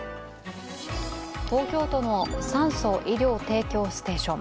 東京都の酸素・医療提供ステーション。